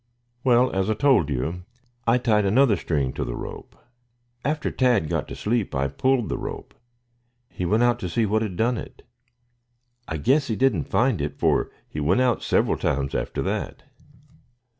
"Well, as I told you, I tied another string to the rope. After Tad got to sleep I pulled the rope. He went out to see what had done it. I guess he didn't find it, for he went out several times after that.